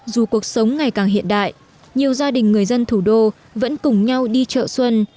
dù cuộc sống ngày càng hiện đại nhiều gia đình người dân thủ đô vẫn cùng nhau đi chợ xuân